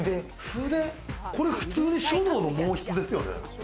これ普通に書道の毛筆ですよね？